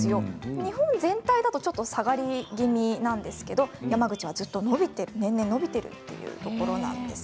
日本全体だとちょっと下がり気味なんですけど山口はずっと年々、伸びているというところなんです。